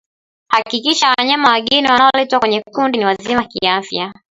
Hakikisha wanyama wageni wanaoletwa kwenye kundi ni wazima kiafya